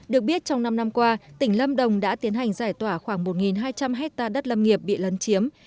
được biết trong năm năm qua tỉnh lâm đồng đã tiến hành giải tỏa khoảng một hai trăm linh hectare đất lâm nghiệp bị lấn chiếm